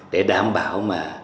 để đảm bảo mà